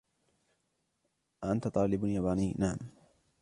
أأنت طالب ياباني؟ "نعم."